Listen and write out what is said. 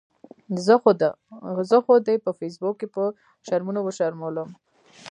زه خو دې په فیسبوک کې په شرمونو وشرمؤلم